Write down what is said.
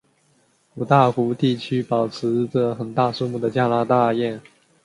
五大湖地区保持着很大数目的加拿大雁。